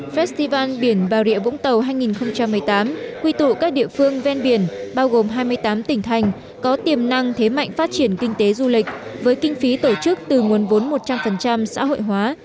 festival biển bà rịa vũng tàu hai nghìn một mươi tám quy tụ các địa phương ven biển bao gồm hai mươi tám tỉnh thành có tiềm năng thế mạnh phát triển kinh tế du lịch với kinh phí tổ chức từ nguồn vốn một trăm linh xã hội hóa